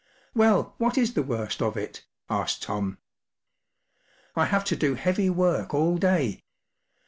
” “Well, what is the worst of it?” asked Tom. “ I have to do heavy work all day.